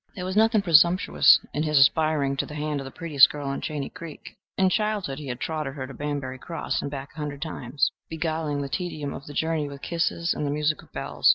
There was nothing presumptuous in his aspiring to the hand of the prettiest girl on Chaney Creek. In childhood he had trotted her to Banbury Cross and back a hundred times, beguiling the tedium of the journey with kisses and the music of bells.